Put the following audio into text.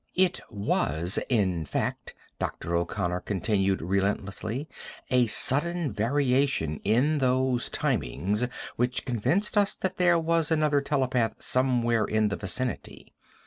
"It was, in fact," Dr. O'Connor continued relentlessly, "a sudden variation in those timings which convinced us that there was another telepath somewhere in the vicinity.